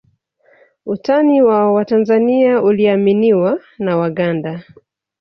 Utani wa Watanzania uliaminiwa na Waganda